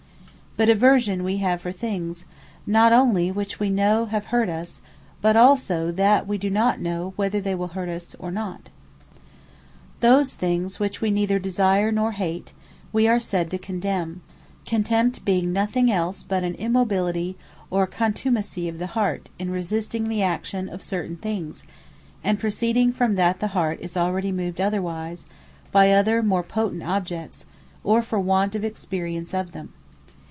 But Aversion wee have for things, not onely which we know have hurt us; but also that we do not know whether they will hurt us, or not. Contempt Those things which we neither Desire, nor Hate, we are said to Contemne: CONTEMPT being nothing els but an immobility, or contumacy of the Heart, in resisting the action of certain things; and proceeding from that the Heart is already moved otherwise, by either more potent objects; or from want of experience of them.